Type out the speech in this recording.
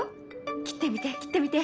切ってみて切ってみて。